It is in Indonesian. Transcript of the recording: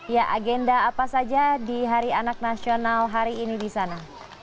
ya agenda apa saja di hari anak nasional hari ini di sana